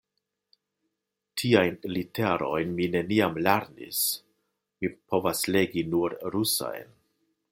Tiajn literojn mi neniam lernis; mi povas legi nur rusajn.